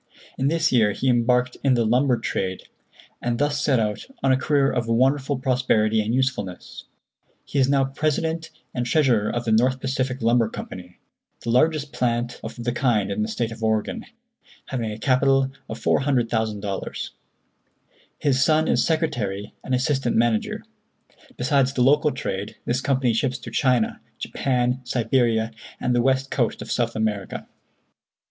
In this year he embarked in the lumber trade, and thus set out on a career of wonderful prosperity and usefulness. He is now president and treasurer of the North Pacific Lumber Company, the largest plant of the kind in the State of Oregon, having a capital of $400,000. His son is secretary and assistant manager. Besides the local trade, this company ships to China, Japan, Siberia and the west coast of South America.